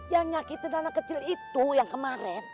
yang nyakitin anak kecil itu yang kemarin